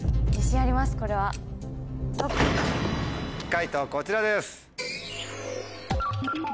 解答こちらです。